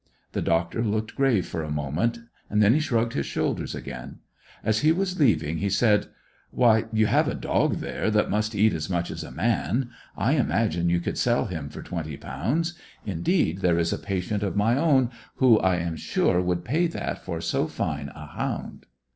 The doctor looked grave for a moment, and then shrugged his shoulders again. As he was leaving he said "Why, you have a dog there that must eat as much as a man. I imagine you could sell him for twenty pounds. Indeed, there is a patient of my own who I am sure would pay that for so fine a hound."